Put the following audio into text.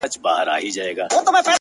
لکه نوک او ورۍ